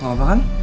mau apa kan